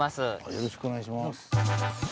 よろしくお願いします。